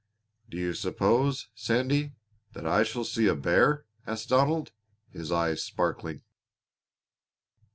"Do you suppose, Sandy, that I shall see a bear?" asked Donald, his eyes sparkling.